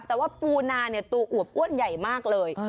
แต่ว่าปูนาตัวอวบอ้วนใหญ่มากเลย